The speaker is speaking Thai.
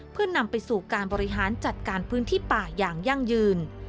เพื่อนำไปสู่การบริหารจัดการพื้นที่ป่าอย่างยั่งยืน